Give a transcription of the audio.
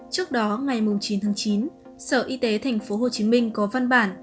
trước đó ngày chín tháng chín sở y tế tp hcm có văn bản cho tổng thống của tp hcm